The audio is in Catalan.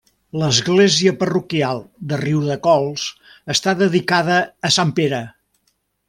L'església parroquial de Riudecols està dedicada a sant Pere.